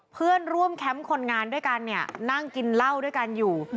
เพื่อนร่วมแคมป์คนงานด้วยกันเนี่ยนั่งกินเหล้าด้วยกันอยู่